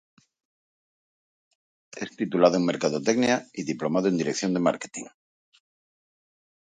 Es titulado en Mercadotecnia y diplomado en Dirección de Marketing.